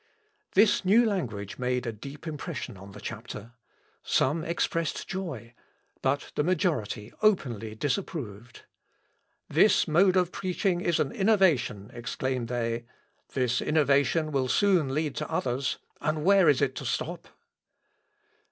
" This new language made a deep impression on the chapter. Some expressed joy, but the majority openly disapproved. "This mode of preaching is an innovation," exclaimed they, "this innovation will soon lead to others, and where is it to stop?"